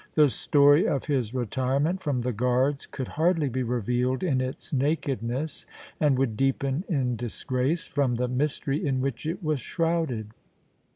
The story of his retirement from the Guards could hardly be revealed in its nakedness, and would deepen in disgrace from the mystery in which it was shrouded.